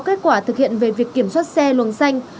kết quả thực hiện về việc kiểm soát xe luồng xanh